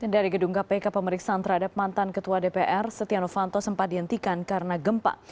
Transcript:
dari gedung kpk pemeriksaan terhadap mantan ketua dpr setia novanto sempat dihentikan karena gempa